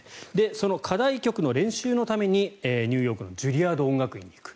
その課題曲の練習のためにニューヨークのジュリアード音楽院に行く。